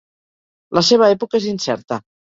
La seva època és incerta.